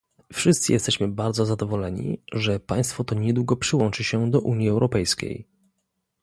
Wszyscy jesteśmy bardzo zadowoleni, że państwo to niedługo przyłączy się do Unii Europejskiej